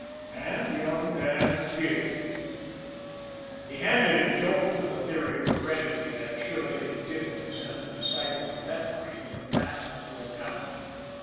And young Dan did. He handed a jolt to the theory of heredity that should, if it didn't, have sent the disciples of that creed to the mat for the full count.